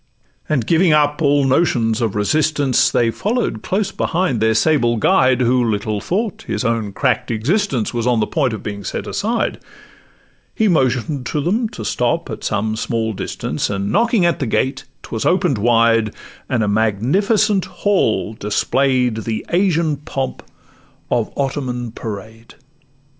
And giving up all notions of resistance, They follow'd close behind their sable guide, Who little thought that his own crack'd existence Was on the point of being set aside: He motion'd them to stop at some small distance, And knocking at the gate, 'twas open'd wide, And a magnificent large hall display'd The Asian pomp of Ottoman parade.